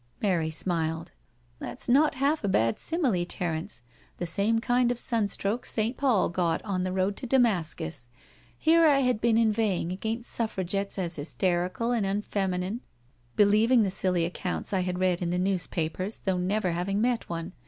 Mary smiled. " That's not half a bad simile, Terence — the same kind of sunstroke St. Paul got on the road to Damascus. Here I had been inveighing against Suffragettes as hysterical and unfeminine — ^be lieving the silly accounts I had read in the newspapers, though never having met one.